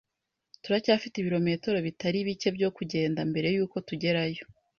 Turacyafite ibirometero bitari bike byo kugenda mbere yuko tugerayo.